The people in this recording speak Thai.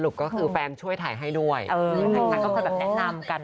สรุปก็คือแฟนช่วยถ่ายให้ด้วยแล้วก็แนะนำกัน